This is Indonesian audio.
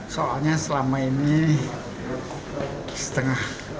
soalnya selama ini setengah